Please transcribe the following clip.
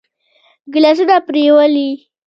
ګيلاسونه پرېولي.